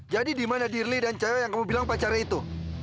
jadi di mana diri dan cewek yang kamu bilang pacarnya itu